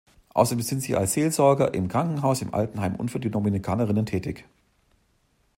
Außerdem sind sie als Seelsorger im Krankenhaus, in Altenheimen und für die Dominikanerinnen tätig.